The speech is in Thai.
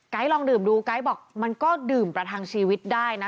ลองดื่มดูไก๊บอกมันก็ดื่มประทังชีวิตได้นะ